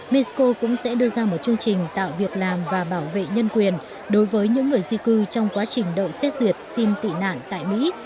mexico cũng sẽ đưa ra một chương trình tạo việc làm và bảo vệ nhân quyền đối với những người di cư trong quá trình đậu xét duyệt xin tị nạn tại mỹ